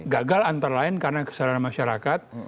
gagal antara lain karena kesalahan masyarakat